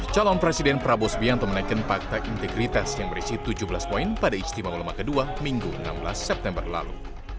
calon presiden prabowo subianto menaikkan fakta integritas yang berisi tujuh belas poin pada ijtima ulama kedua minggu enam belas september lalu